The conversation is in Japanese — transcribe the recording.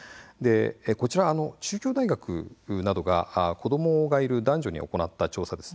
こちらは中京大学などが子どもがいる男女に行った調査です。